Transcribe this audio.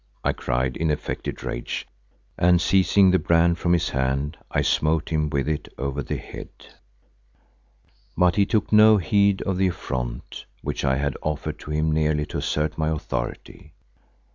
I cried in affected rage, and seizing the brand from his hand I smote him with it over the head. But he took no heed of the affront which I had offered to him merely to assert my authority.